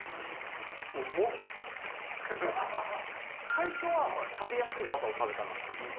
最初は食べやすいバターを食べたなっていう感じ。